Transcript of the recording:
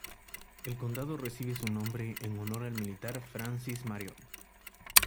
El condado recibe su nombre en honor al militar Francis Marion.